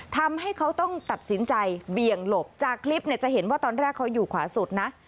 ทำให้เขาต้องตัดสินใจเบี่ยงหลบจากคลิปเนี่ยจะเห็นว่าตอนแรกเขาอยู่ขวาสุดนะ